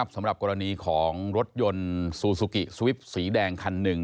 สำหรับกรณีของรถยนต์ซูซูกิสวิปสีแดงคันหนึ่ง